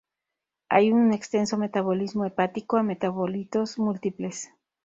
Hay un extenso metabolismo hepático a metabolitos múltiples.